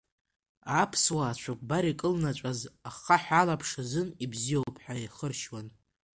Аԥсуаа ацәыкәбар икылнаҵәаз ахаҳә алаԥш азын ибзиоуп ҳәа ихыршьуан.